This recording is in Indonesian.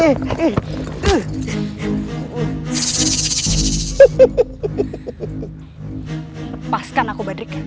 lepaskan aku badrika